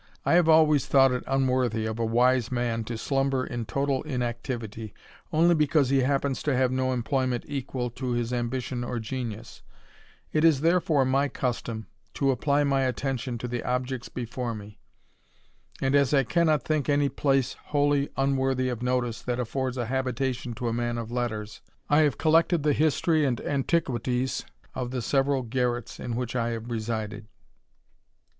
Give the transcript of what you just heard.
I have ^^^ays thought it unworthy of a wise man to slumber in toi^l inactivity, only because he happens to have no ^^^^ployment equal to his ambition or genius : it is there ^^^^ my custom to apply my attention to the objects before "^^; and as I cannot think any place wholly unworthy of '^^^tice that affords a habitation to a man of letters, I have ^^Uected the history and antiquities of the several garrets ^ which I have resided.